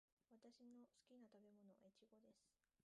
私の好きな食べ物はイチゴです。